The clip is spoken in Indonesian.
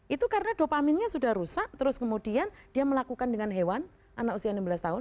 itu karena dopaminnya sudah rusak terus kemudian dia melakukan dengan hewan anak usia enam belas tahun